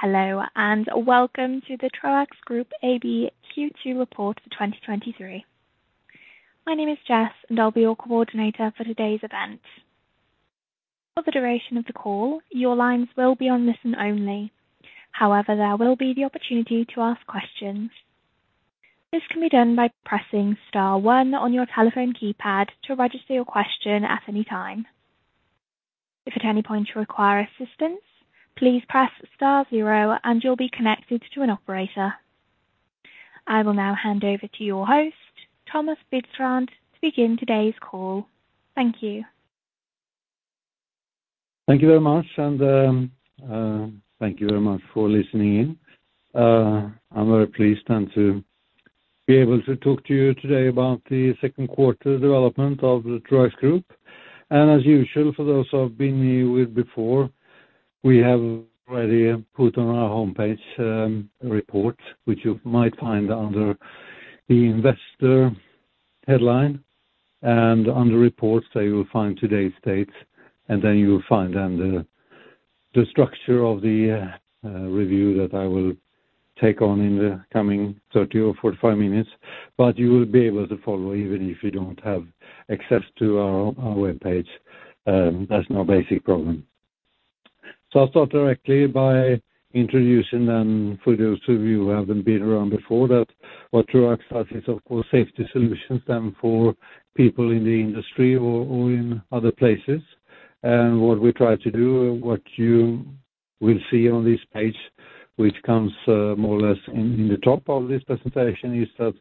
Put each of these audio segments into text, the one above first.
Hello, welcome to the Troax Group AB Q2 report for 2023. My name is Jess, I'll be your coordinator for today's event. For the duration of the call, your lines will be on listen-only. However, there will be the opportunity to ask questions. This can be done by pressing star one on your telephone keypad to register your question at any time. If at any point you require assistance, please press star zero, you'll be connected to an operator. I will now hand over to your host, Thomas Widstrand, to begin today's call. Thank you. Thank you very much for listening in. I'm very pleased then to be able to talk to you today about the Q2 development of the Troax Group. As usual, for those who I've been here with before, we have already put on our homepage a report, which you might find under the Investor headline, and under reports, that you will find today's date, and then you will find under the structure of the review that I will take on in the coming 30 or 45 minutes. You will be able to follow, even if you don't have access to our webpage. That's no basic problem. I'll start directly by introducing, for those of you who haven't been around before, that what Troax does is, of course, safety solutions, for people in the industry or in other places. What we try to do, and what you will see on this page, which comes more or less in the top of this presentation is that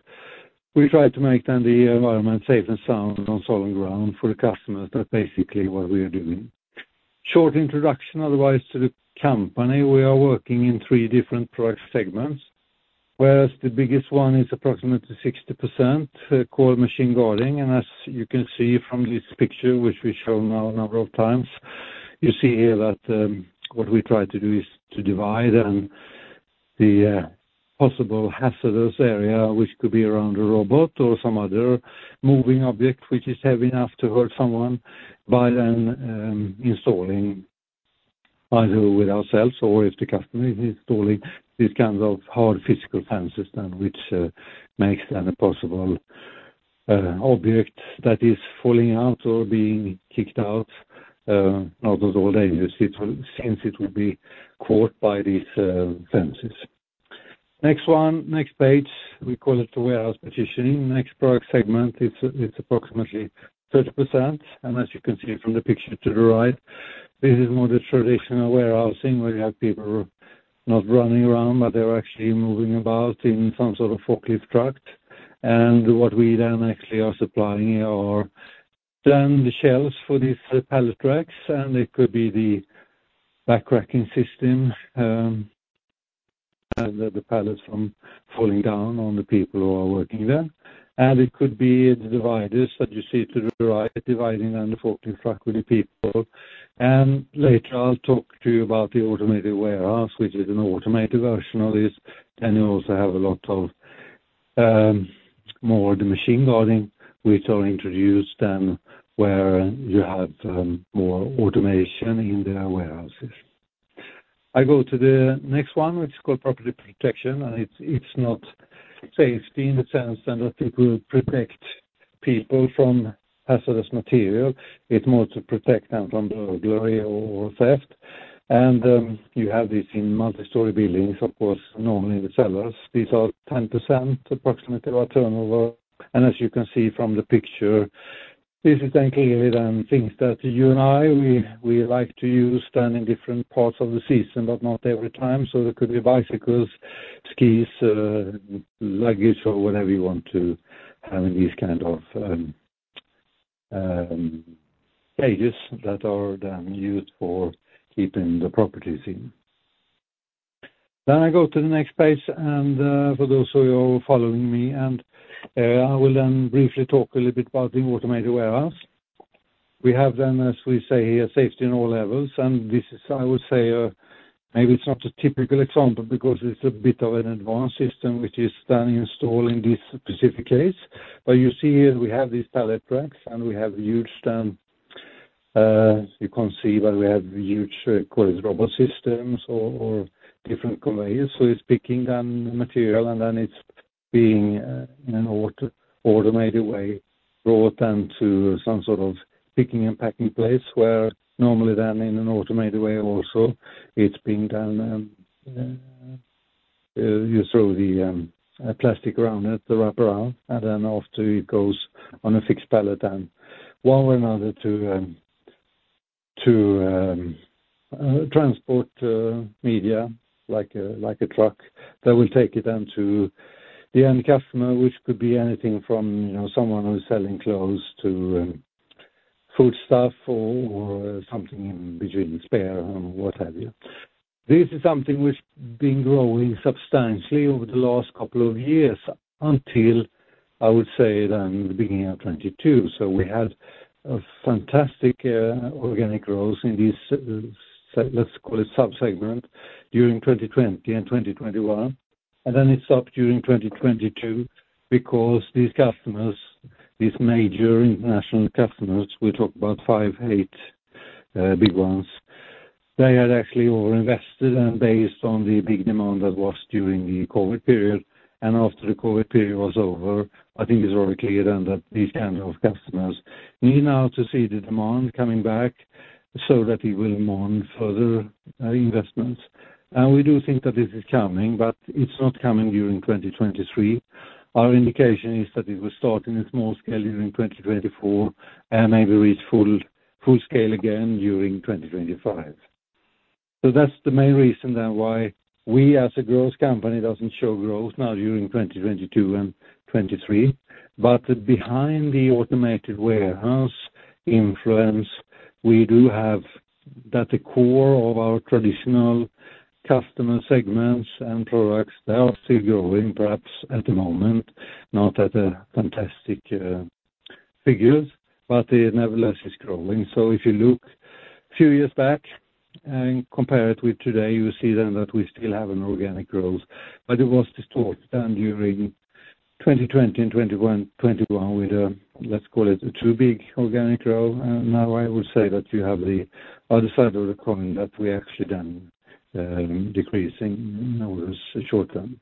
we try to make then the environment safe and sound on solid ground for the customers. That's basically what we are doing. Short introduction, otherwise, to the company, we are working in three different product segments, whereas the biggest one is approximately 60%, called machine guarding. As you can see from this picture, which we've shown now a number of times, you see here that, what we try to do is to divide and the possible hazardous area, which could be around a robot or some other moving object, which is heavy enough to hurt someone, by then, installing either with ourselves or if the customer is installing these kinds of hard physical fences, then which makes any possible object that is falling out or being kicked out, all those all dangerous, [inaudible] since it will be caught by these fences. Next one, next page, we call it the warehouse partitioning. Next product segment, it's approximately 30% and as you can see from the picture to the right, this is more the traditional warehousing where you have people not running around, but they're actually moving about in some sort of forklift truck. What we then actually are supplying are then the shelves for these pallet racks, and it could be the back racking system, and the pallets from falling down on the people who are working there. It could be the dividers that you see to the right, dividing then the forklift truck with the people. Later, I'll talk to you about the automated warehouse, which is an automated version of this. You also have a lot of more the machine guarding which are introduced, then, where you have more automation in the warehouses. I go to the next one, which is called property protection. It's not safety in the sense that it will protect people from hazardous material. It's more to protect them from burglary or theft. You have this in multi-story buildings, of course, normally in the cellars. These are 10% approximately of our turnover. As you can see from the picture, this is then clearly then things that you and I, we like to use them in different parts of the season, but not every time. It could be bicycles, skis, luggage, or whatever you want to have in this kind of cages that are then used for keeping the properties in. I go to the next page, and for those of you who are following me and I will then briefly talk a little bit about the automated warehouse. We have then, as we say here, safety in all levels, and this is, I would say, maybe it's not a typical example because it's a bit of an advanced system, which is then installed in this specific case. You see here, we have these pallet racks, and we have huge then, you can see, but we have huge, call it robot systems or different conveyors. It's picking then material, and then it's being in an automated way, brought down to some sort of picking and packing place, where normally then in an automated way also, it's being done, you throw the plastic around it, the wrap around, and then after it goes on a fixed pallet, and one way or another, to transport media, like a truck, that will take it then to the end customer, which could be anything from, you know, someone who's selling clothes to foodstuff or something in between, spare and what have you. This is something which been growing substantially over the last couple of years, until, I would say then, the beginning of 2022. We had a fantastic organic growth in this let's call it sub-segment during 2020 and 2021, and then it stopped during 2022 because these customers. These major international customers, we talk about five, eight big ones. They had actually over-invested and based on the big demand that was during the COVID period, and after the COVID period was over, I think it's very clear then that these kind of customers need now to see the demand coming back so that it will more further reinvestments. We do think that this is coming, but it's not coming during 2023. Our indication is that it will start in a small scale during 2024, and maybe reach full scale again during 2025. That's the main reason then why we, as a growth company, doesn't show growth now during 2022 and 2023 but behind the automated warehouse influence, we do have, that the core of our traditional customer segments and products, they are still growing, perhaps at the moment, not at fantastic figures, but it nevertheless is growing. If you look a few years back and compare it with today, you see then that we still have an organic growth, but it was distorted during 2020 and 2021 with a, let's call it, too big organic growth. Now I would say that you have the other side of the coin, that we actually done decreasing in orders short term.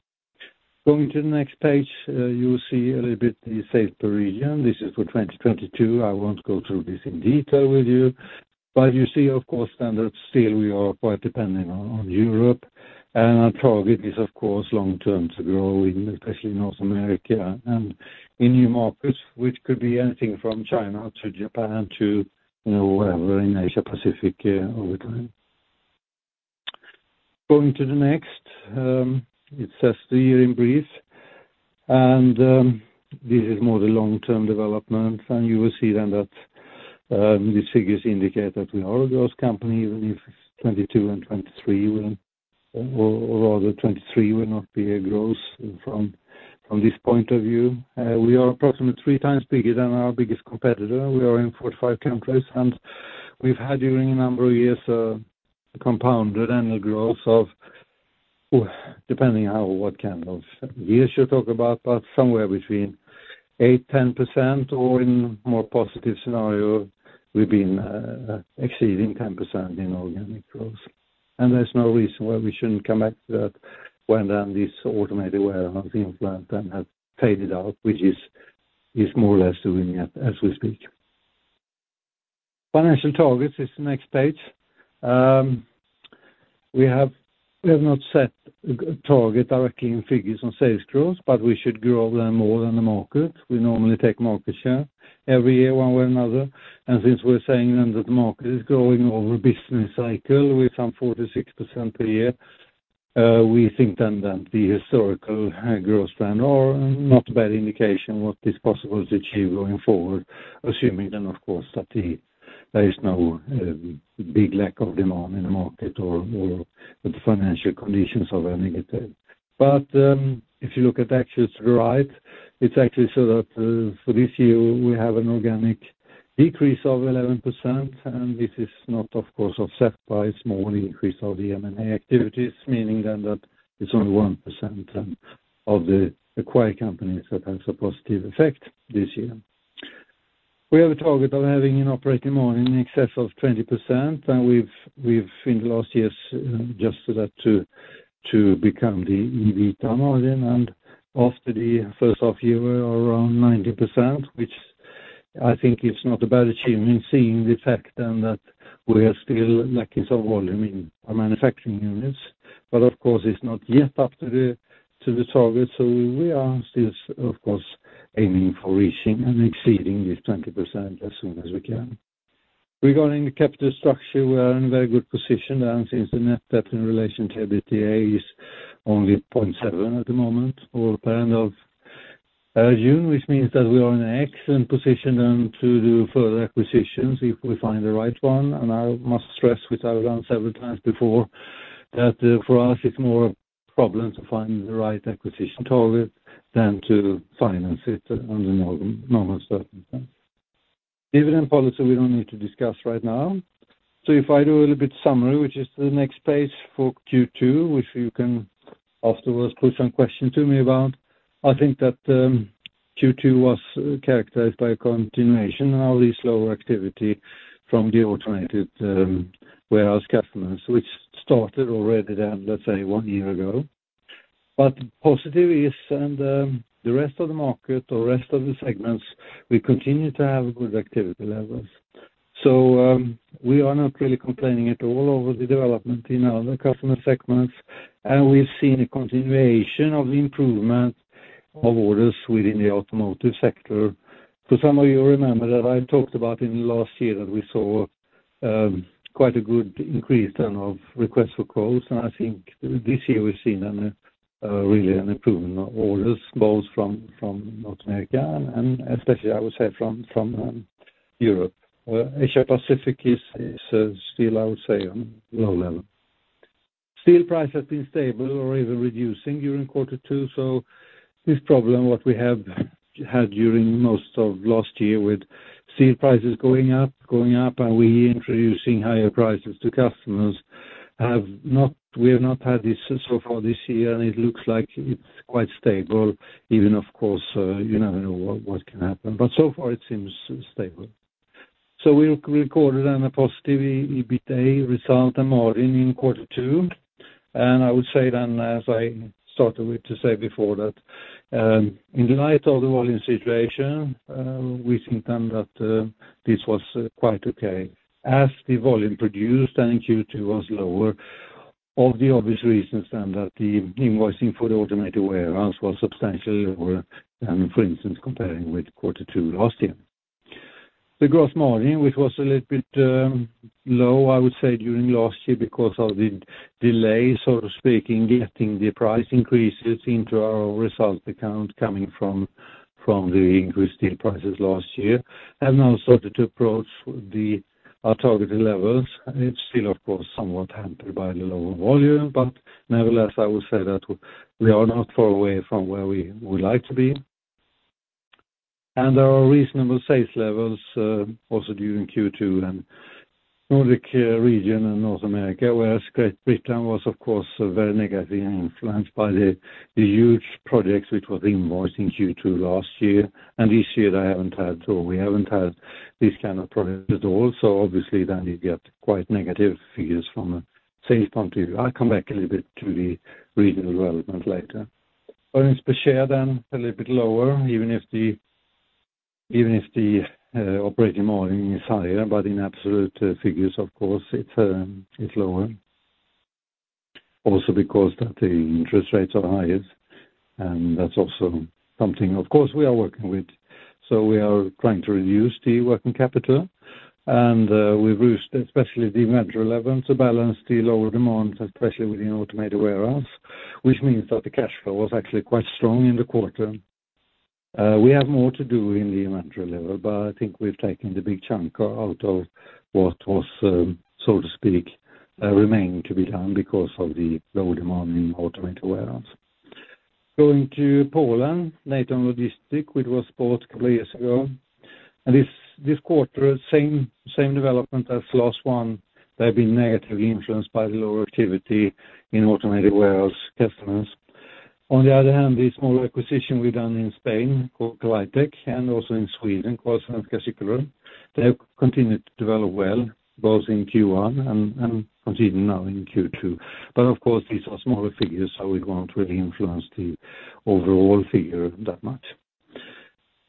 Going to the next page, you will see a little bit the sales per region. This is for 2022. I won't go through this in detail with you, but you see, of course, then that still we are quite depending on Europe. Our target is, of course, long term to grow in, especially in North America and in new markets, which could be anything from China to Japan to, you know, wherever in Asia Pacific over time. Going to the next, it says the year in brief, and this is more the long-term development. You will see then that the figures indicate that we are a growth company, even if 2022 and 2023 will, or rather 2023 will not be a growth from this point of view. We are approximately 3x bigger than our biggest competitor. We are in 45 countries. We've had, during a number of years, a compounded annual growth of, depending on what kind of years you talk about, but somewhere between 8%-10%, or in more positive scenario, we've been exceeding 10% in organic growth. There's no reason why we shouldn't come back to that when then this automated warehouse impact then has faded out, which is more or less doing it as we speak. Financial targets is the next page. We have not set a target directly in figures on sales growth, but we should grow them more than the market. We normally take market share every year, one way or another. Since we're saying then that the market is growing over a business cycle with some 4%-6% per year, we think then that the historical high growth trend are not a bad indication what is possible to achieve going forward, assuming then, of course, that there is no big lack of demand in the market or, or the financial conditions are very negative. If you look at the actual to the right, it's actually so that, for this year, we have an organic decrease of 11%, and this is not of course, offset by a small increase of the M&A activities, meaning then that it's only 1% of the acquired companies that has a positive effect this year. We have a target of having an operating margin in excess of 20%, we've in the last years, just so that to, to become the EBITDA margin, after the first half year, we are around 19%, which I think is not a bad achievement, seeing the fact then that we are still lacking some volume in our manufacturing units. Of course, it's not yet up to the target, so we are still, of course, aiming for reaching and exceeding this 20% as soon as we can. Regarding the capital structure, we are in a very good position, since the net debt in relation to the EBITDA is only 0.7 at the moment or per end of June, which means that we are in an excellent position then to do further acquisitions if we find the right one. I must stress, which I've done several times before, that for us, it's more a problem to find the right acquisition target than to finance it under normal circumstances. Dividend policy, we don't need to discuss right now. If I do a little bit summary, which is the next page for Q2, which you can afterwards put some questions to me about, I think that Q2 was characterized by a continuation of the slower activity from the automated warehouse customers, which started already then, let's say, one year ago. Positive is and the rest of the market or rest of the segments, we continue to have good activity levels. We are not really complaining at all over the development in our other customer segments, and we've seen a continuation of the improvement of orders within the automotive sector. For some of you remember that I talked about in the last year that we saw, quite a good increase then of requests for quotes, and I think this year we've seen really an improvement of orders, both from North America and especially, I would say, from Europe. Asia Pacific is still, I would say, on low level. Steel price has been stable or even reducing during quarter two so this problem, what we have had during most of last year with steel prices going up and we are introducing higher prices to customers, we have not had this so far this year, and it looks like it's quite stable. Even, of course, you never know what can happen, but so far it seems stable. We called it then a positive EBITA result, a margin in quarter two. I would say then, as I started with to say before that in light of the volume situation, we think then that this was quite okay. As the volume produced in Q2 was lower, all the obvious reasons then that the invoicing for the automated warehouse was substantially lower than, for instance, comparing with quarter two last year. The gross margin, which was a little bit low, I would say, during last year because of the delay, so speaking, getting the price increases into our result account coming from the increased steel prices last year and also to approach our targeted levels. It's still, of course, somewhat hampered by the lower volume, but nevertheless, I would say that we are not far away from where we would like to be. Our reasonable sales levels also during Q2 in Nordic region and North America, whereas Great Britain was, of course, very negatively influenced by the huge projects which were invoiced in Q2 last year. This year, they haven't had, or we haven't had these kind of projects at all. Obviously then you get quite negative figures from a sales point of view. I'll come back a little bit to the regional development later. Earnings per share, then a little bit lower, even if the operating margin is higher, but in absolute figures, of course, it's lower. Because that the interest rates are highest, and that's also something, of course, we are working with. We are trying to reduce the working capital, and, we've boosted, especially the inventory levels, to balance the lower demand, especially with the automated warehouse, which means that the cash flow was actually quite strong in the quarter. We have more to do in the inventory level, but I think we've taken the big chunk out of what was, so to speak, remained to be done because of the low demand in automated warehouse. Going to Poland, Natom Logistic, which was bought a couple of years ago. This quarter, same development as last one, they've been negatively influenced by the lower activity in automated warehouse customers. On the other hand, the small acquisition we've done in Spain, called Claitec, and also in Sweden, called Cykelrum, they have continued to develop well, both in Q1 and continuing now in Q2. Of course, these are smaller figures, so we won't really influence the overall figure that much.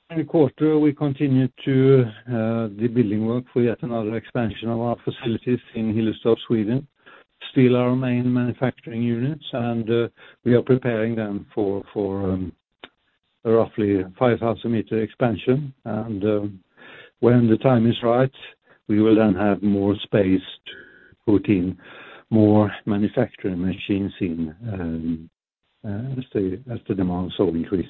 In the quarter, we continued to the building work for yet another expansion of our facilities in Hillerstorp, Sweden. Still our main manufacturing units, and we are preparing them for roughly 5,000-meter expansion. When the time is right, we will then have more space to put in more manufacturing machines as the demand so increase.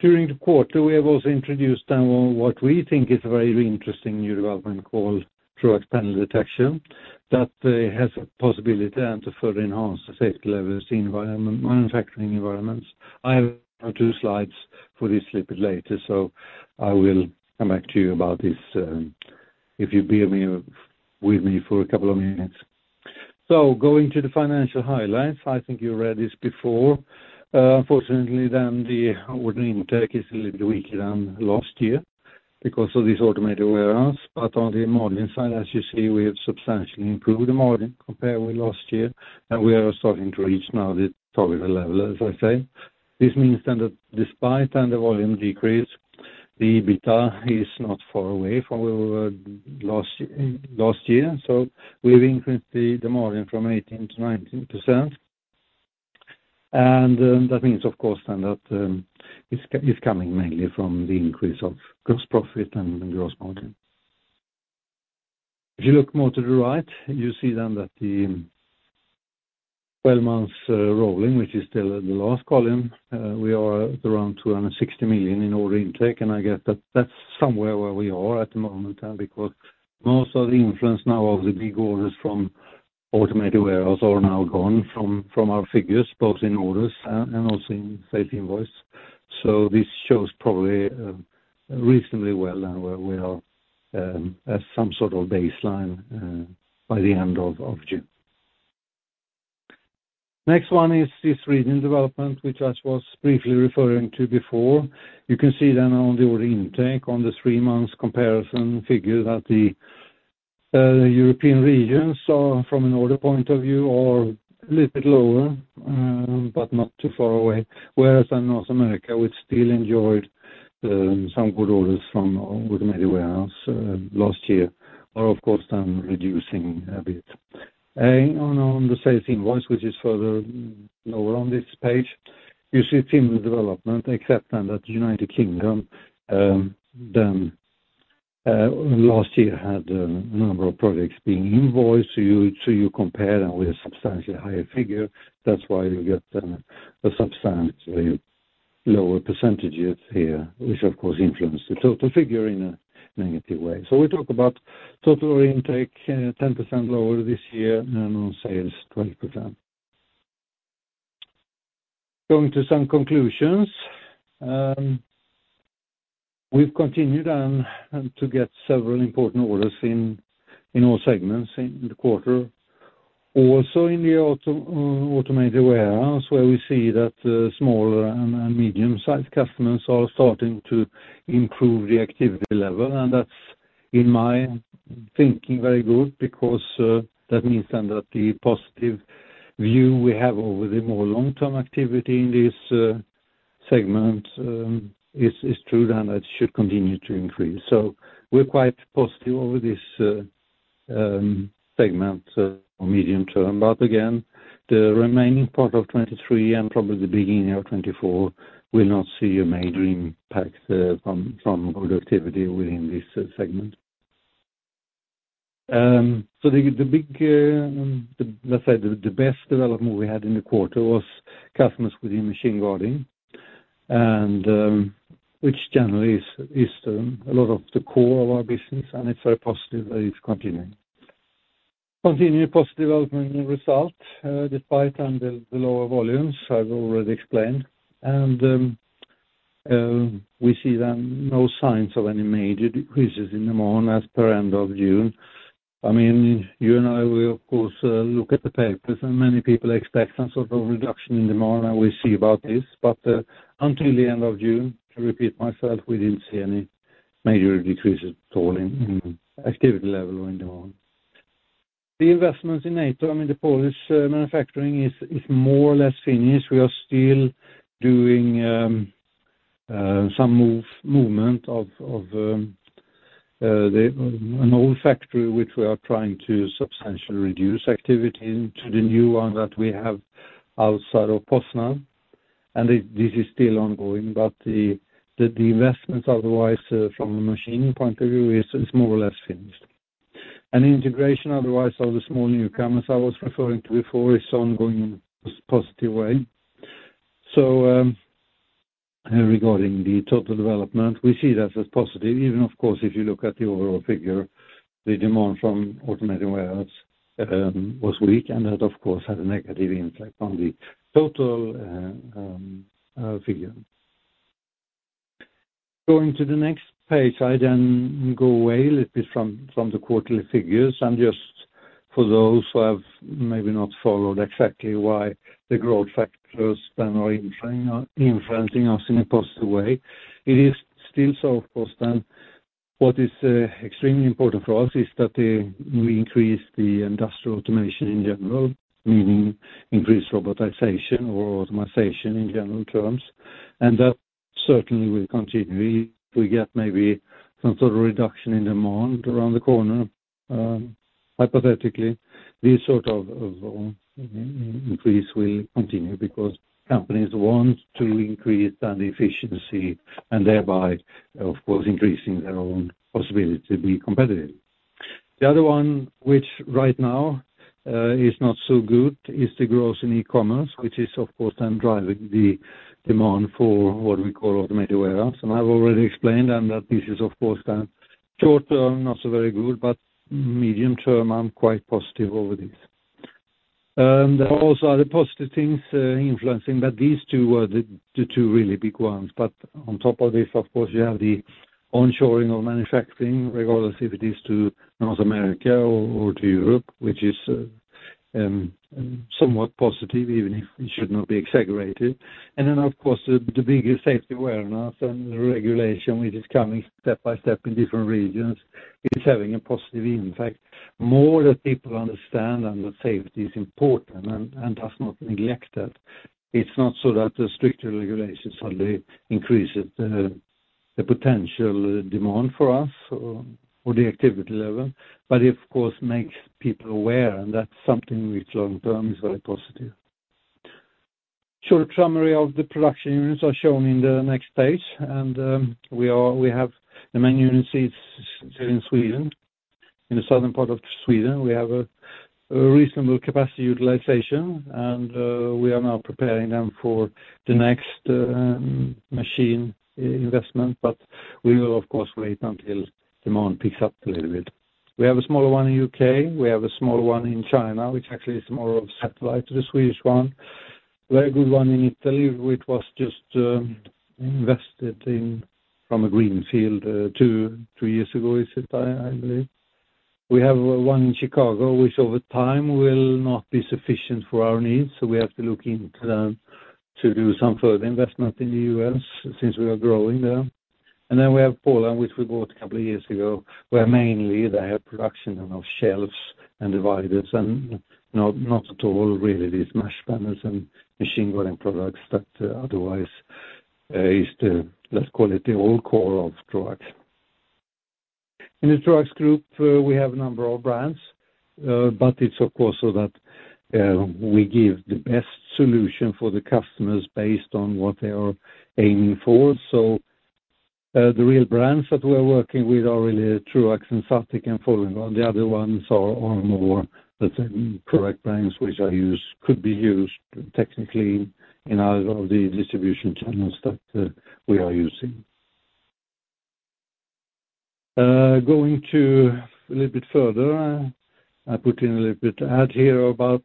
During the quarter, we have also introduced then what we think is a very interesting new development called Troax Panel Detection, that has a possibility then to further enhance the safety levels, the environment, manufacturing environments. I have two slides for this a little bit later. I will come back to you about this, if you bear with me for a couple of minutes. Going to the financial highlights, I think you read this before. Unfortunately, then the order intake is a little bit weaker than last year because of this automated warehouse, but on the margin side, as you see, we have substantially improved the margin compared with last year, and we are starting to reach now the target level, as I say. This means that despite then the volume decrease, the EBITDA is not far away from where we were last year, so we've increased the margin from 18% to 19%. That means, of course, then that it's coming mainly from the increase of gross profit and the gross margin. If you look more to the right, you see then that the 12 months rolling, which is still at the last column, we are at around 260 million in order intake, and I get that. That's somewhere where we are at the moment, because most of the influence now of the big orders from automated warehouse are now gone from our figures, both in orders and also in sales invoice. This shows probably, reasonably well now where we are, at some sort of baseline, by the end of June. Next one is this region development, which I was briefly referring to before. You can see then on the order intake, on the three-month comparison figure that the European regions are, from an order point of view, are a little bit lower, but not too far away, whereas in North America, which still enjoyed, some good orders from automated warehouse, last year, are of course, then reducing a bit. On the sales invoice, which is further lower on this page, you see similar development, except then that United Kingdom than last year had a number of projects being invoiced. So, you compare them with a substantially higher figure, that's why you get a substantially lower percentage up here, which, of course, influences the total figure in a negative way. We talk about total intake, 10% lower this year and on sales, 20%. Going to some conclusions, we've continued on to get several important orders in all segments in the quarter. Also, in the automated warehouse, where we see that small and medium-sized customers are starting to improve the activity level, and that's, in my thinking, very good, because that means then that the positive view we have over the more long-term activity in this segment is true, then it should continue to increase. We're quite positive over this segment, medium term again. The remaining part of 2023, and probably the beginning of 2024, we'll not see a major impact from, from activity within this segment. The big, let's say, the best development we had in the quarter was customers within machine guarding, and which generally is a lot of the core of our business, and it's very positive that it's continuing. Continued positive development and result despite under the lower volumes, I've already explained. We see then no signs of any major decreases in the market as per end of June. I mean, you and I will, of course, look at the papers, and many people expect some sort of reduction in demand, and we'll see about this. Until the end of June, to repeat myself, we didn't see any major decreases at all in activity level in demand. The investments in Natom, I mean, the Polish manufacturing is more or less finished. We are still doing some movement of an old factory, which we are trying to substantially reduce activity into the new one that we have outside of Poznań, and this is still ongoing. The investments otherwise from a machine point of view is more or less finished. Integration otherwise of the small newcomers I was referring to before, is ongoing in a positive way. Regarding the total development, we see that as positive, even, of course, if you look at the overall figure, the demand from automated warehouse was weak, and that, of course, had a negative impact on the total figure. Going to the next page, I then go away a little bit from the quarterly figures. Just for those who have maybe not followed exactly why the growth factors then are influencing us in a positive way, it is still so, of course, then what is extremely important for us is that we increase the industrial automation in general, meaning increased robotization or automatization in general terms, and that certainly will continue. We get maybe some sort of reduction in demand around the corner, hypothetically, this sort of increase will continue because companies want to increase their efficiency and thereby, of course, increasing their own possibility to be competitive. The other one, which right now, is not so good, is the growth in e-commerce, which is, of course, then driving the demand for what we call automated warehouse. I've already explained that this is, of course, then short term, not so very good, but medium term, I'm quite positive over this. There are also other positive things influencing, but these two are the two really big ones. On top of this, of course, you have the onshoring of manufacturing, regardless of if it is to North America or to Europe, which is somewhat positive, even if it should not be exaggerated. Then, of course, the bigger safety awareness and regulation, which is coming step by step in different regions, is having a positive impact. More that people understand, and that safety is important, and does not neglect it. It's not so that the stricter regulations suddenly increase, the potential demand for us, or the activity level, but it, of course, makes people aware, and that's something which long-term is very positive. Short summary of the production units are shown in the next page, we have the main units is in Sweden, in the southern part of Sweden. We have a, a reasonable capacity utilization, and we are now preparing them for the next machine investment, but we will of course wait until demand picks up a little bit. We have a smaller one in U.K. We have a smaller one in China, which actually is more of a satellite to the Swedish one. Very good one in Italy, which was just invested in from a greenfield two to three years ago, is it, I believe. We have one in Chicago, which over time will not be sufficient for our needs, so we have to look into to do some further investment in the U.S. since we are growing there. We have Poland, which we bought a couple of years ago, where mainly they have production of shelves and dividers and not, not at all really these mesh panels and machine guarding products that otherwise is the, let's call it, the old core of Troax. In the Troax Group, we have a number of brands, but it's of course, so that, we give the best solution for the customers based on what they are aiming for. The real brands that we're working with are really Troax and Satech and Folding Guard. The other ones ar more the same product brands which could be used technically in our, of the distribution channels that, we are using. Going to a little bit further, I put in a little bit ad here about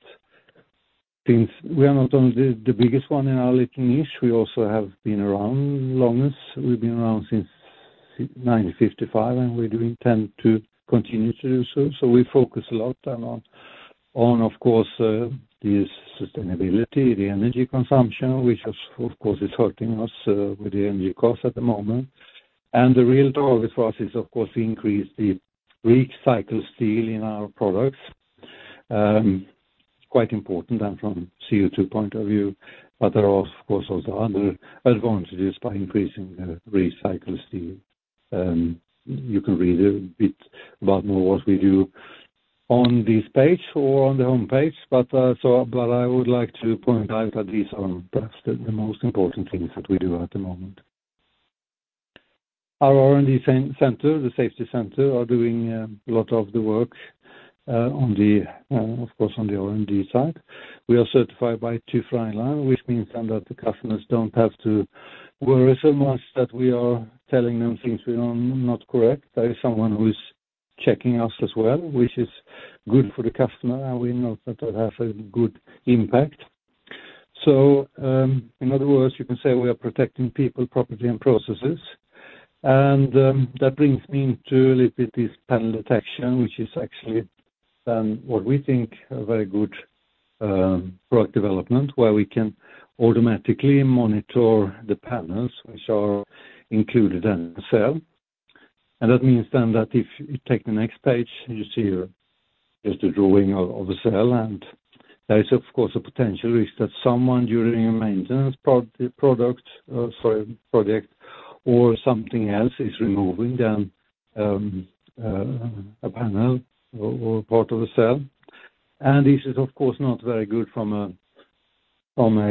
things. We are not only the biggest one in our little niche, we also have been around longest. We've been around since 1955, and we do intend to continue to do so. We focus a lot on, of course, the sustainability, the energy consumption, which of course, is hurting us with the energy cost at the moment. The real target for us is, of course, increase the recycled steel in our products. Quite important and from CO2 point of view, but there are, of course, also other advantages by increasing the recycled steel. You can read a bit about more what we do on this page or on the home page. I would like to point out that these are perhaps the most important things that we do at the moment. Our R&D center, the Safety Center, are doing a lot of the work on the, of course, on the R&D side. We are certified by TÜV Rheinland, which means then that the customers don't have to worry so much that we are telling them things we know are not correct. There is someone who is checking us as well, which is good for the customer, and we know that will have a good impact. In other words, you can say we are protecting people, property, and processes. That brings me to a little bit, this Panel Detection, which is actually what we think a very good product development, where we can automatically monitor the panels which are included in the cell. That means then that if you take the next page, you see here is the drawing of a cell. There is, of course, a potential risk that someone, during a maintenance project or something else, is removing then a panel or part of a cell. This is, of course, not very good from a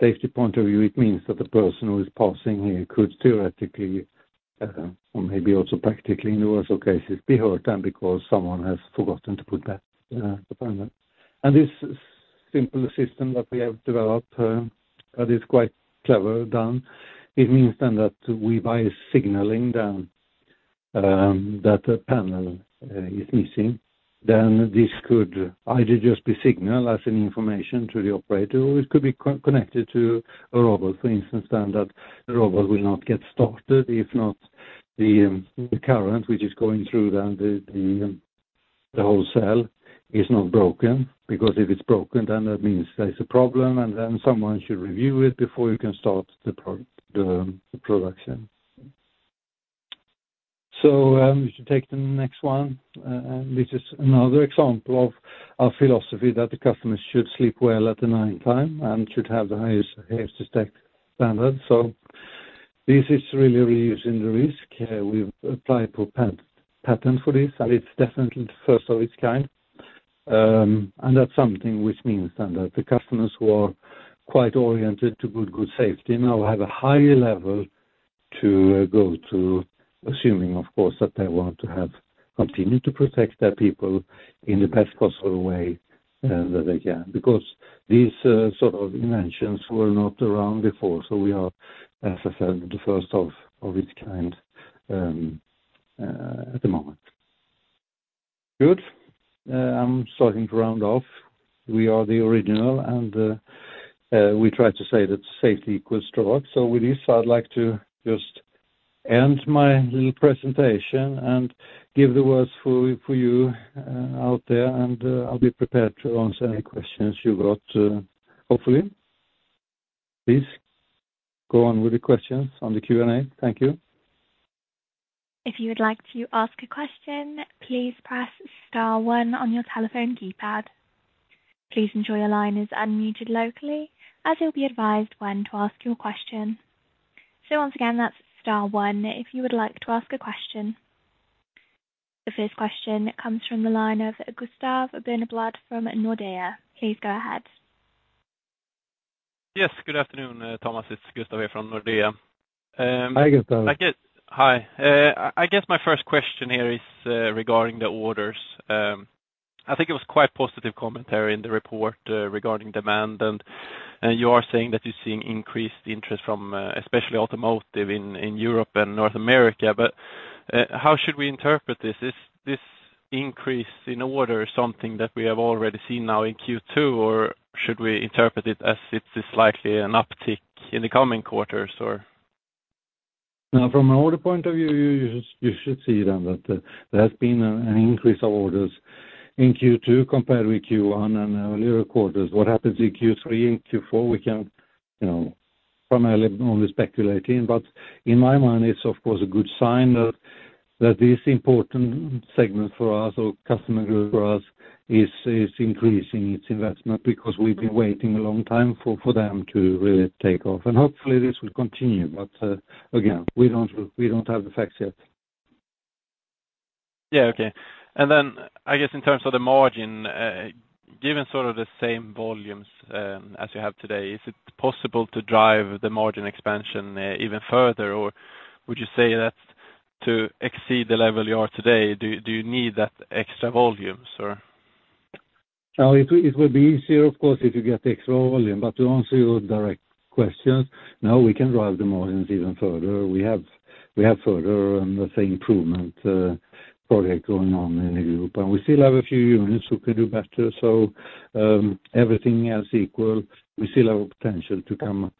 safety point of view. It means that the person who is passing could theoretically or maybe also practically, in the worst of cases, be hurt then because someone has forgotten to put back the panel. This simple system that we have developed that is quite clever done. It means then that we, by signaling down that a panel is missing, then this could either just be signal as an information to the operator, or it could be connected to a robot. For instance, then that the robot will not get started, if not the current, which is going through then the whole cell is not broken. If it's broken, then that means there's a problem, and then someone should review it before you can start the production. We should take the next one. This is another example of our philosophy, that the customers should sleep well at the nighttime and should have the highest safety standard. This is really reducing the risk. We've applied for patent for this, and it's definitely the first of its kind. That's something which means then that the customers who are quite oriented to good, good safety now have a higher level to go to, assuming, of course, that they want to have, continue to protect their people in the best possible way that they can. Because these inventions were not around before, so we are, as I said, the first of its kind at the moment. Good. I'm starting to round off. We are the original, and we try to say that safety equals Troax. With this, I'd like to just end my little presentation and give the words for you out there, and I'll be prepared to answer any questions you've got, hopefully. Please go on with the questions on the Q&A. Thank you. If you would like to ask a question, please press star one on your telephone keypad. Please ensure your line is unmuted locally, as you'll be advised when to ask your question. So once again, that's star 1 if you would like to ask a question. The first question comes from the line of Gustav Berneblad from Nordea. Please go ahead. Yes, good afternoon, Thomas, it's Gustav here from Nordea. Hi, Gustav. Hi, I guess my first question here is regarding the orders. I think it was quite positive commentary in the report regarding demand, and you are saying that you're seeing increased interest from especially automotive in Europe and North America. How should we interpret this? Is this increase in order something that we have already seen now in Q2, or should we interpret it as it is likely an uptick in the coming quarters? From an order point of view, you, you should see then that there has been an increase of orders in Q2 compared with Q1 and earlier quarters. What happens in Q3 and Q4, we can, you know, primarily only speculating. In my mind, it's of course, a good sign that this important segment for us or customer group for us is increasing its investment, because we've been waiting a long time for them to really take off, and hopefully this will continue. Again, we don't have the facts yet. Yeah, okay. Then I guess in terms of the margin, given sort of the same volumes, as you have today, is it possible to drive the margin expansion, even further? Would you say that to exceed the level you are today, do you need that extra volumes? It will be easier, of course, if you get the extra volume. To answer your direct questions, no, we can drive the volumes even further. We have further, let's say, improvement, project going on in Europe. We still have a few units who could do better. Everything else equal, we still have a potential to come.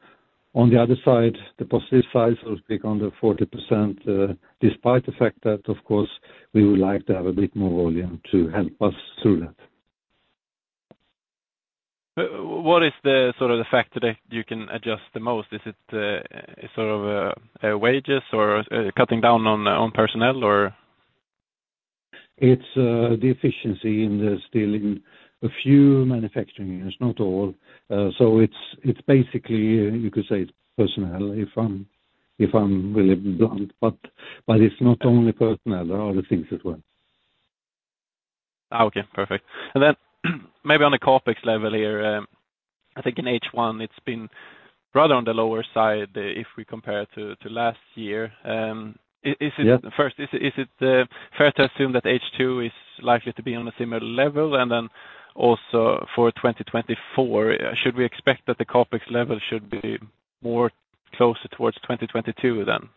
On the other side, the positive side, so to speak, on the 40%, despite the fact that, of course, we would like to have a bit more volume to help us through that. What is the sort of the factor that you can adjust the most? Is it, sort of, wages or cutting down on personnel? It's the efficiency in the still in a few manufacturing units, not all. It's basically, you could say it's personnel, if I'm really blunt, but it's not only personnel, there are other things as well. Okay, perfect. Then maybe on a CapEx level here, I think in H1, it's been rather on the lower side, if we compare to last year. Yeah. First, is, is it fair to assume that H2 is likely to be on a similar level? Then also for 2024, should we expect that the CapEx level should be more closer towards 2022, then?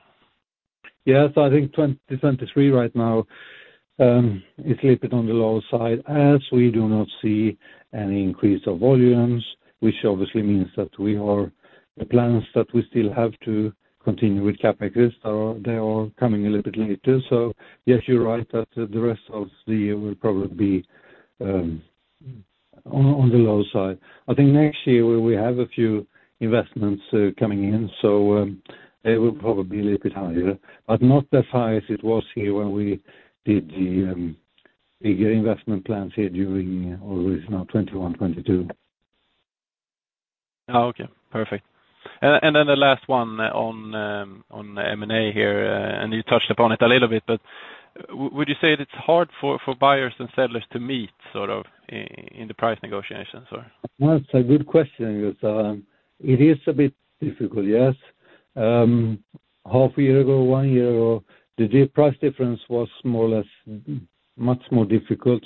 Yes, I think 2023 right now is a little bit on the lower side, as we do not see any increase of volumes, which obviously means that we are the plans that we still have to continue with CapEx. They are coming a little bit later. Yes, you're right, that the rest of the year will probably be on the lower side. I think next year we have a few investments coming in, so they will probably be a little bit higher, but not as high as it was here when we did the bigger investment plans here during, original 2021, 2022. Oh, okay. Perfect. The last one on M&A here, and you touched upon it a little bit, but would you say that it's hard for buyers and sellers to meet, sort of, in the price negotiations? That's a good question because it is a bit difficult, yes. Half a year ago, one year ago, the price difference was more or less, much more difficult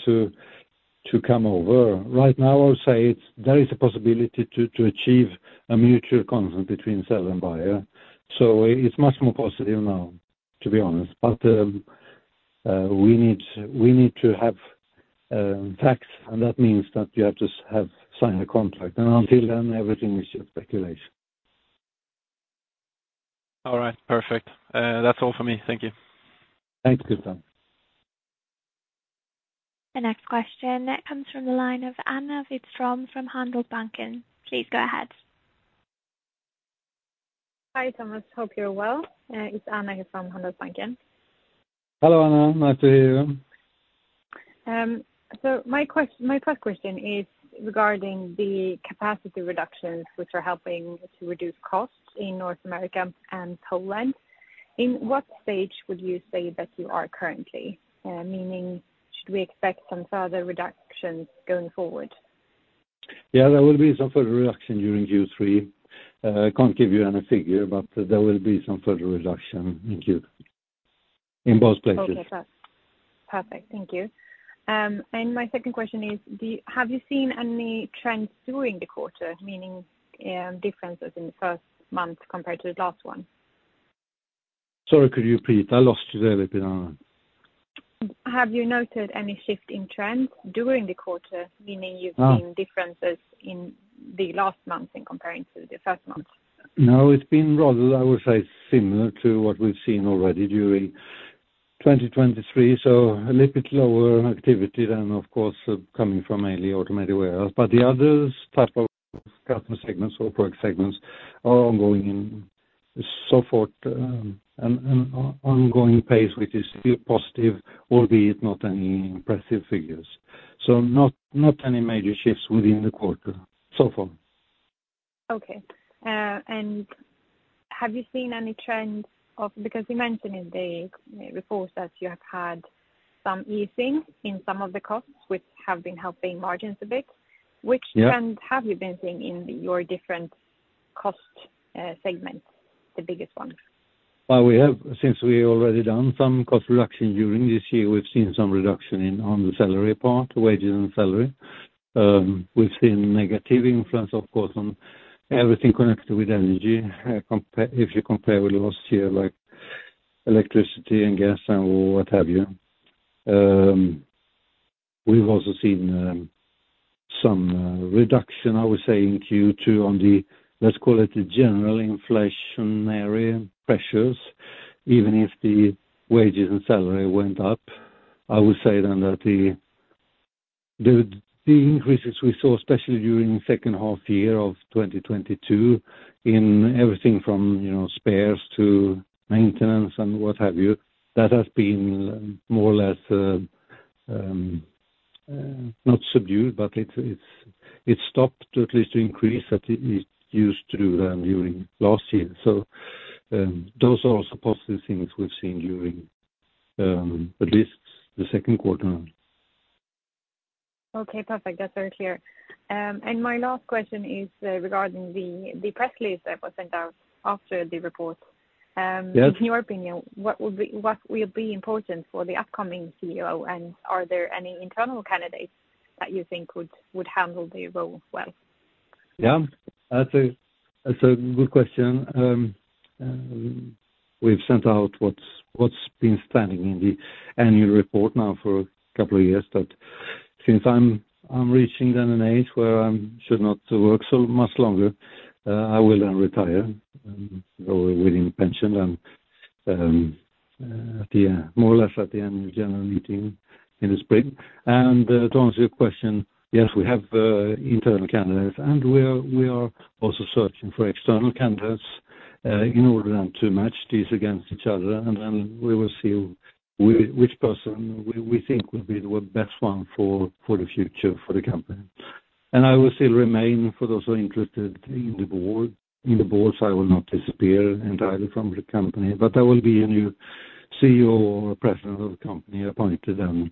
to come over. Right now, I would say it's, there is a possibility to achieve a mutual consent between seller and buyer. It's much more positive now, to be honest. We need to have facts, and that means that you have to have sign a contract, and until then, everything is just speculation. All right, perfect. That's all for me. Thank you. Thanks, Gustav. The next question comes from the line of Anna Widström from Handelsbanken. Please go ahead. Hi, Thomas. Hope you're well. It's Anna here from Handelsbanken. Hello, Anna, nice to hear you. My first question is regarding the capacity reductions, which are helping to reduce costs in North America and Poland. In what stage would you say that you are currently? Meaning, should we expect some further reductions going forward? Yeah, there will be some further reduction during Q3. I can't give you any figure, but there will be some further reduction in Q... In both places. Okay, that's perfect. Thank you. My second question is, have you seen any trends during the quarter, meaning, differences in the first month compared to the last one? Sorry, could you repeat? I lost you there a bit, Anna. Have you noted any shift in trends during the quarter? Meaning you've- Ah. -seen differences in the last month in comparing to the first month? No, it's been rather, I would say, similar to what we've seen already during 2023. A little bit lower activity than, of course, coming from mainly automated warehouse. The other type of customer segments or product segments are ongoing and so forth, ongoing pace, which is still positive, albeit not any impressive figures. Not any major shifts within the quarter, so far. Okay. Have you seen any trends because you mentioned in the report that you have had some easing in some of the costs, which have been helping margins a bit? Yeah. Which trends have you been seeing in your different cost segments, the biggest ones? Well, we have, since we've already done some cost reduction during this year, we've seen some reduction in, on the salary part, wages and salary. We've seen negative influence, of course, on everything connected with energy, if you compare with last year, like electricity and gas and what have you. We've also seen some reduction, I would say, in Q2 on the, let's call it, the general inflationary pressures, even if the wages and salary went up. I would say then that the increases we saw, especially during the second half year of 2022, in everything from, you know, spares to maintenance and what have you, that has been more or less not subdued, but it's stopped to at least increase as it used to during last year. Those are all positive things we've seen during, at least Q2. Okay, perfect. That's very clear. My last question is regarding the press release that was sent out after the report. Yep. In your opinion, what will be important for the upcoming CEO, and are there any internal candidates that you think would handle the role well? Yeah, that's a good question. We've sent out what's been standing in the annual report now for a couple of years, that since I'm reaching an age where I'm should not work so much longer, I will then retire, and go with pension, more or less at the end of the general meeting in the spring. To answer your question: Yes, we have internal candidates, and we are, we are also searching for external candidates in order to match these against each other, and then we will see which person we think will be the best one for the future, for the company. I will still remain, for those who are interested in the board, so I will not disappear entirely from the company. There will be a new CEO or President of the company appointed, and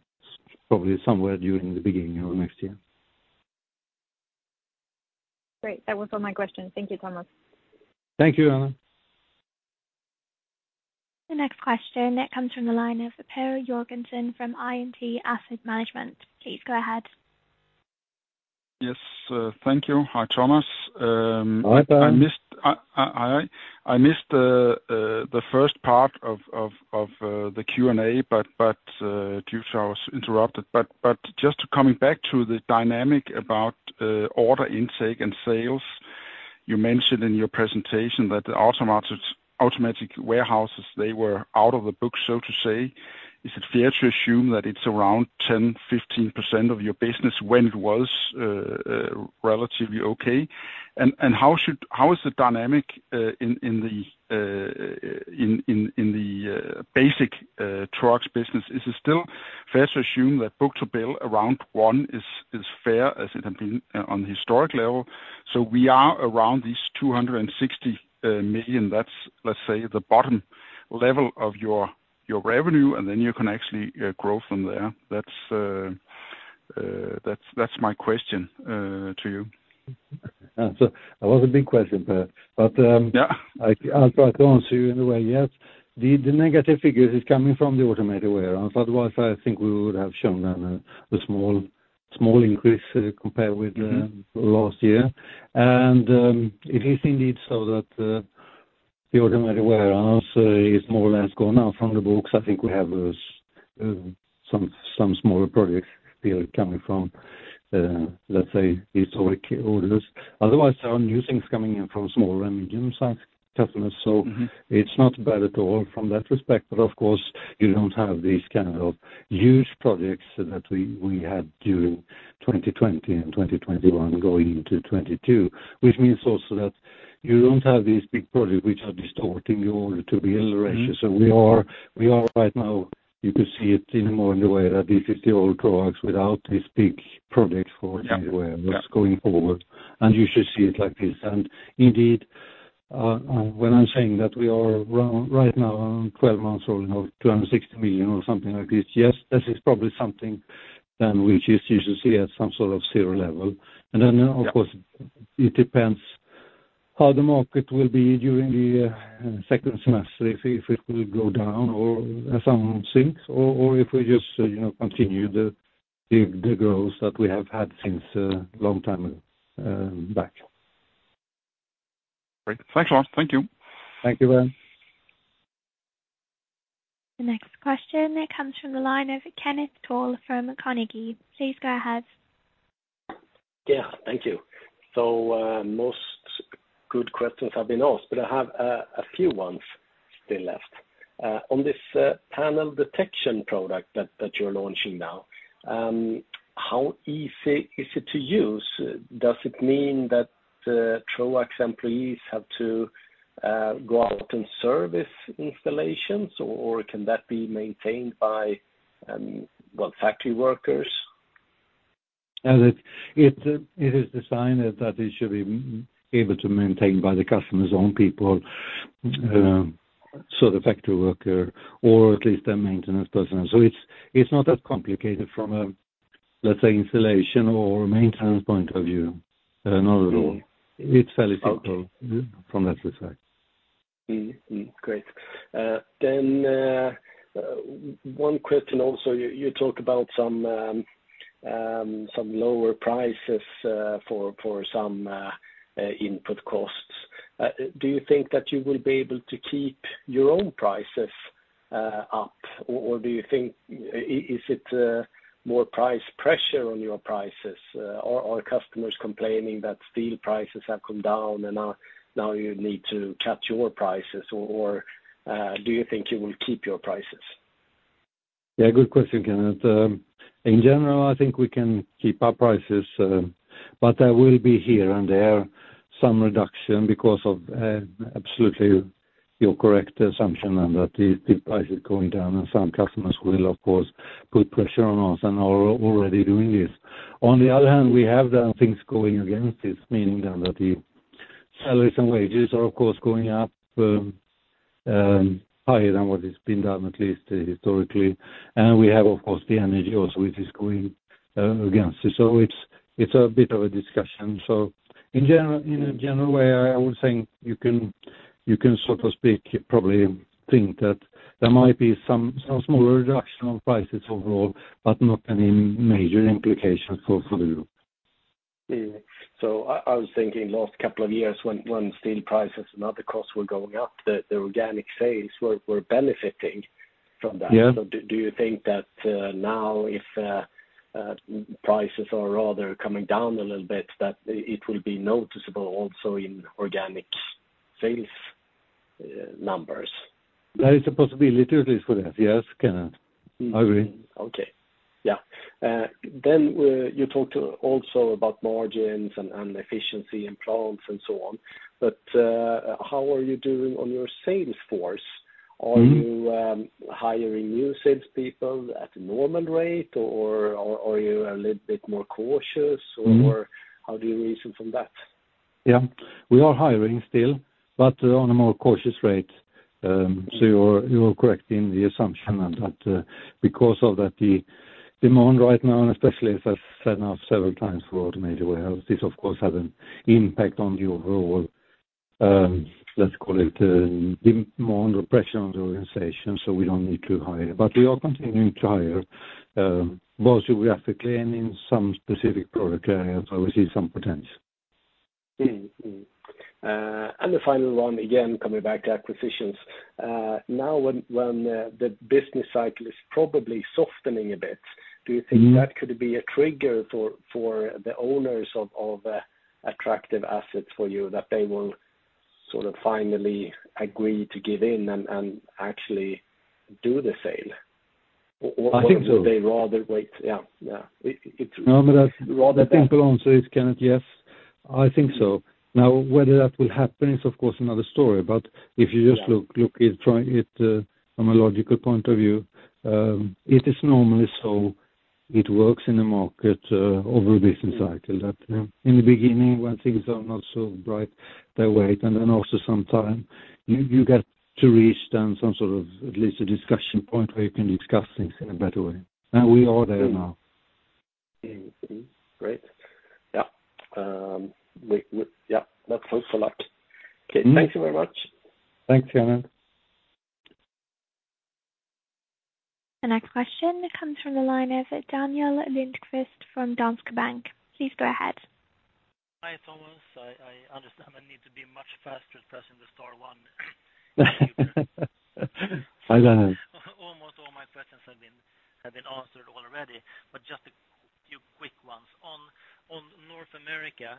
probably somewhere during the beginning of next year. Great. That was all my questions. Thank you, Thomas. Thank you, Anna. The next question that comes from the line of Per Josephson from INT Asset Management. Please go ahead. Yes, thank you. Hi, Thomas. Hi, Per. I missed the first part of the Q&A, but due to I was interrupted. Just coming back to the dynamic about order intake and sales, you mentioned in your presentation that the automatic warehouses, they were out of the books, so to say. Is it fair to assume that it's around 10%-15% of your business when it was relatively okay? How is the dynamic in the basic trucks business? Is it still fair to assume that book-to-bill around one is fair, as it has been on the historic level? We are around these 260 million, that's, let's say, the bottom level of your revenue, and then you can actually grow from there. That's my question to you. That was a big question, Per. Yeah. I'll try to answer you in a way. Yes, the negative figures is coming from the automated warehouse. Otherwise, I think we would have shown them a small, small increase compared with- Mm-hmm.... last year. It is indeed so that, the automated warehouse, is more or less gone now from the books. I think we have, some smaller projects still coming from, let's say, historic orders. Otherwise, there are new things coming in from small and medium-sized customers- Mm-hmm. It's not bad at all from that respect. Of course, you don't have these kind of huge projects that we, we had during 2020 and 2021 going into 2022. Which means also that you don't have these big projects which are distorting the order to bill ratio. Mm-hmm. We are right now you can see it even more in the way that this is the old products without this big project for- Yeah.... going forward, and you should see it like this. Indeed, when I'm saying that we are around, right now, around 12 months old, you know, 26 million or something like this, yes, this is probably something then which you should see at some sort of zero level. Yeah. Then, of course, it depends how the market will be during the second semester, if it will go down or as some thinks, or if we just, you know, continue the growth that we have had since a long time back. Great. Thanks a lot. Thank you. Thank you, Per. The next question comes from the line of Kenneth Toll from Carnegie. Please go ahead. Yeah. Thank you. Most good questions have been asked, but I have a few ones still left. On this Panel Detection product that, that you're launching now, how easy is it to use? Does it mean that Troax employees have to go out and service installations, or can that be maintained by, well, factory workers? It is designed that it should be able to maintain by the customer's own people, so the factory worker, or at least a maintenance person. It's not that complicated from a, let's say, installation or maintenance point of view. Not at all. Mm. It's fairly simple. Okay. From that respect. Great. One question also, you talked about some lower prices for some input costs. Do you think that you will be able to keep your own prices up, or do you think is it more price pressure on your prices? Are customers complaining that steel prices have come down, and now, you need to cut your prices, or do you think you will keep your prices? Yeah, good question, Kenneth. In general, I think we can keep our prices, but there will be here and there some reduction because of, absolutely, you're correct assumption, and that the price is going down, and some customers will, of course, put pressure on us and are already doing this. On the other hand, we have the things going against this, meaning that the salaries and wages are, of course, going up, higher than what it's been done, at least historically. We have, of course, the energy also, which is going- again, it's a bit of a discussion. In general, in a general way, I would think you can, so to speak, probably think that there might be some smaller reduction on prices overall, but not any major implications for the group. I was thinking last two years, when steel prices and other costs were going up, the organic sales were, were benefiting from that. Yeah. Do you think that, now if prices are rather coming down a little bit, that it will be noticeable also in organic sales numbers? That is a possibility, too, at least for that. Yes, Kenneth, I agree. Okay. Yeah. You talked also about margins and efficiency and plants and so on, how are you doing on your sales force? Mm. Are you hiring new salespeople at the normal rate, or, are you a little bit more cautious? Mm. How do you reason from that? Yeah. We are hiring still, but on a more cautious rate. You're correct in the assumption that, because of that, the demand right now, and especially as I've said now several times, for automated warehouse, this of course, has an impact on the overall, let's call it, demand or pressure on the organization, so we don't need to hire. We are continuing to hire, both geographically and in some specific product areas where we see some potential. The final one, again, coming back to acquisitions. Now, when, the business cycle is probably softening a bit,- Mm. Do you think that could be a trigger for the owners of, attractive assets for you, that they will sort of finally agree to give in and actually do the sale? I think so. Would they rather wait? Yeah, yeah. No, but I- Rather than- The simple answer is, Kenneth, yes. I think so. Now, whether that will happen is, of course, another story. But if you just look, look it, try it, from a logical point of view, it is normally so it works in the market, over the business cycle. That, in the beginning, when things are not so bright, they wait, and then after some time, you, you get to reach then some sort of at least a discussion point where you can discuss things in a better way. We are there now. Mm. Mm. Great. Yeah. We, Yeah, that's helpful lot. Okay. Mm. Thank you very much. Thanks, Kenneth. Our question comes from the line of Daniel Lindkvist from Danske Bank. Please go ahead. Hi, Thomas. I understand I need to be much faster pressing the star one. I learned. Almost all my questions have been answered already, but just a few quick ones. On North America,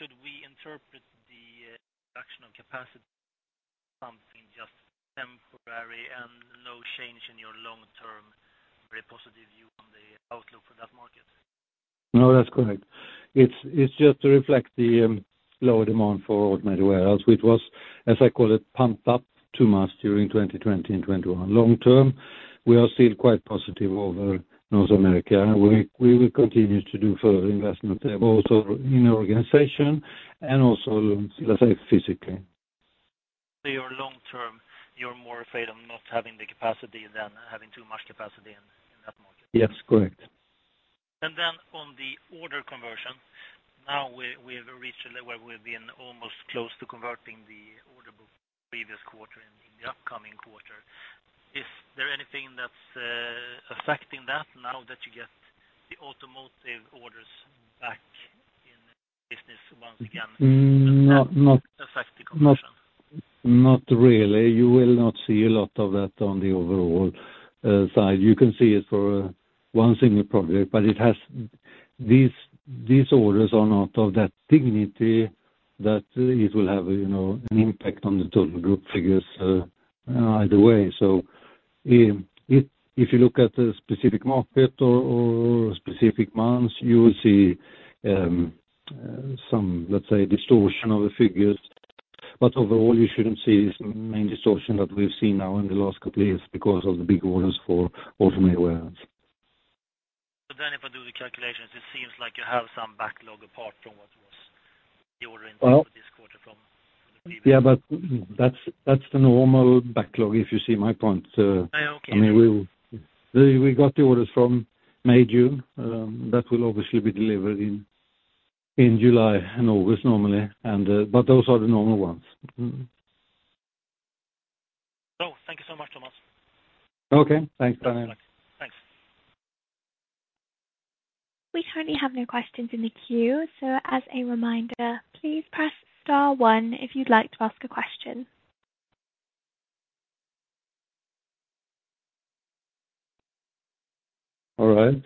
should we interpret the reduction of capacity, something just temporary and no change in your long-term very positive view on the outlook for that market? No, that's correct. It's just to reflect the lower demand for automated warehouse, which was, as I call it, pumped up too much during 2020 and 2021. Long term, we are still quite positive over North America. We will continue to do further investment there, also in organization and also, let's say, physically. Your long term, you're more afraid of not having the capacity than having too much capacity in that market? Yes, correct. On the order conversion, now, we have reached a level where we've been almost close to converting the order book previous quarter and in the upcoming quarter. Is there anything that's affecting that, now that you get the automotive orders back in the business once again? Mm, not- Affect the conversion. Not really. You will not see a lot of that on the overall side. You can see it for one single project. These orders are not of that dignity that it will have, you know, an impact on the total group figures either way. If you look at the specific market or specific months, you will see some, let's say, distortion of the figures. Overall, you shouldn't see the main distortion that we've seen now in the last couple years because of the big orders for automated warehouse. Then, if I do the calculations, it seems like you have some backlog apart from what was your [inaudible] Well- in this quarter from the previous. Yeah, that's, that's the normal backlog, if you see my point. Oh, okay. I mean, we got the orders from May, June, that will obviously be delivered in, in July and August, normally. Those are the normal ones. Mm-hmm. Thank you so much, Thomas. Okay, thanks, Daniel. Thanks. We currently have no questions in the queue. As a reminder, please press star one if you'd like to ask a question. All right.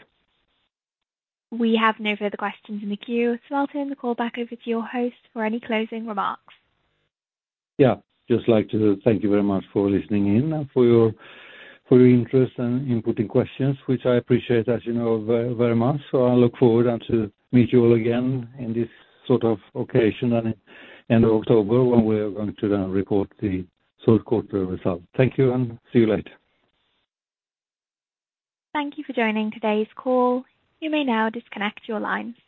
We have no further questions in the queue, so I'll turn the call back over to your host for any closing remarks. Yeah, just like to thank you very much for listening in and for your interest and inputting questions, which I appreciate, as you know, very, very much. I look forward to meet you all again in this sort of occasion in October, when we're going to then report the third quarter results. Thank you and see you later. Thank you for joining today's call. You may now disconnect your lines.